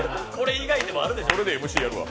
それでＭＣやるわ。